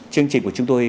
chương trình của chúng tôi